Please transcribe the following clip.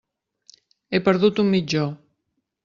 He perdut un mitjó.